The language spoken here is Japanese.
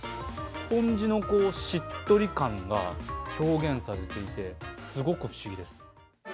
スポンジのしっとり感が表現されていてすごく不思議です。